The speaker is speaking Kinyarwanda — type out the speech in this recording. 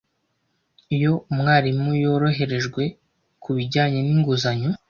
Iyo umwarimu yoroherejwe kubijyanye ninguzanyo